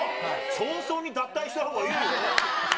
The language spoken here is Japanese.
早々に脱退したほうがいいよ。